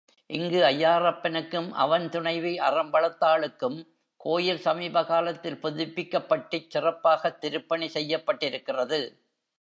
இங்கு ஐயாறப்பனுக்கும் அவன் துணைவி அறம்வளர்த்தாளுக்கும் கோயில் சமீப காலத்தில் புதுப்பிக்கப்பட்டுச் சிறப்பாகத் திருப்பணி செய்யப்பட்டிருக்கிறது.